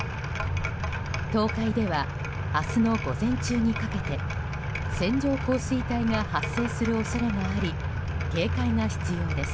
東海では明日の午前中にかけて線状降水帯が発生する恐れがあり警戒が必要です。